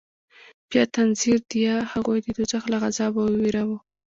بيا تنذير ديه هغوى د دوزخ له عذابه ووېروه.